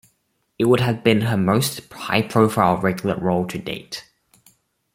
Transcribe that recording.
It would have been her most high-profile regular role to date.